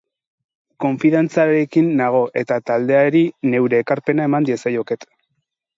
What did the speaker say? Konfidantzarekin nago eta taldeari neure ekarpena eman diezaioket.